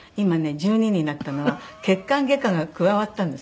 １２になったのは血管外科が加わったんです。